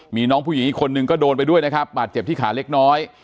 มีน้องผู้หญิงอีกคนนึงก็โดนไปด้วยนะครับบาดเจ็บที่ขาเล็กน้อย